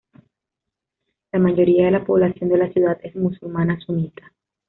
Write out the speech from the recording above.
La mayoría de la población de la ciudad es musulmana sunita.